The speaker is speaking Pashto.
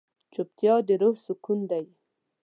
چوپتیا، د روح سکون دی.